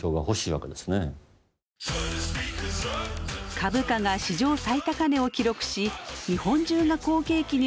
株価が史上最高値を記録し日本中が好景気に沸いたバブル経済。